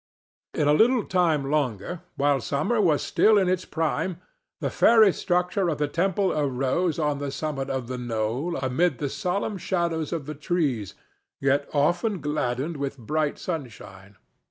In a little time longer, while summer was still in its prime, the fairy structure of the temple arose on the summit of the knoll amid the solemn shadows of the trees, yet often gladdened with bright sunshine.